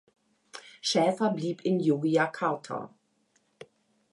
Schäfer blieb in Yogyakarta.